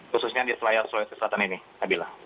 khususnya di selayar sulawesi selatan ini nabila